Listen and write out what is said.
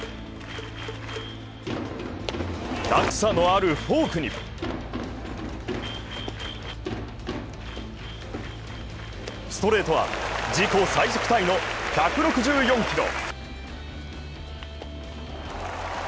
落差のあるフォークにストレートは自己最速タイの１６４キロ。